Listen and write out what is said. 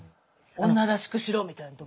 女らしくしろみたいのとか？